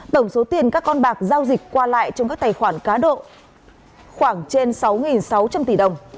tổng số tiền các con bạc giao dịch qua lại trong các tài khoản cá độ khoảng trên sáu sáu trăm linh tỷ đồng